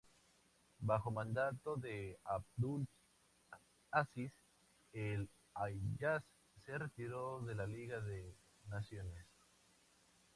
Bajo mandato de Abdul Aziz, el Hiyaz se retiró de la Liga de Naciones.